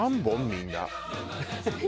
みんな。